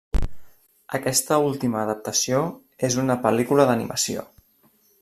Aquesta última adaptació és una pel·lícula d'animació.